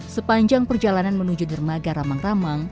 sepanjang perjalanan menuju dermaga ramang ramang